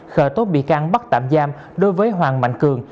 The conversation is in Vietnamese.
khởi tốt bị căng bắt tạm giam đối với hoàng mạnh cường